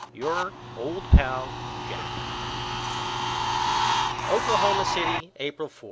Your old pal, JACK. Oklahoma City, April 4.